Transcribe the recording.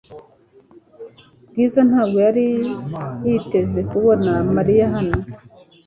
Bwiza ntabwo yari yiteze kubona Mariya hano .